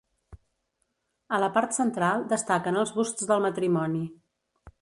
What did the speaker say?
A la part central destaquen els busts del matrimoni.